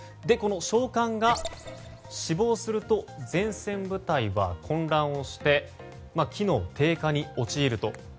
この将官が死亡すると前線部隊は混乱をして機能低下に陥ると。